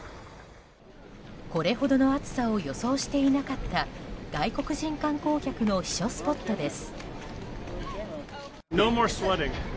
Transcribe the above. これほどの暑さを予想していなかった外国人観光客の避暑スポットです。